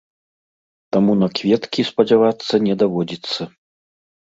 Таму на кветкі спадзявацца не даводзіцца.